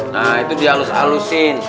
nah itu di halus halusin